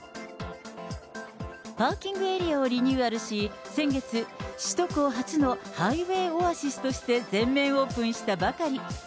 パーキングエリアをリニューアルし、先月、首都高初のハイウェイオアシスとして全面オープンしたばかり。